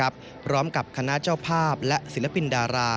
พร้อมกับคณะเจ้าภาพและศิลปินดารา